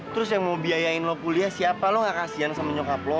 terus yang mau biayain lo kuliah siapa lo gak kasian sama nyokap lo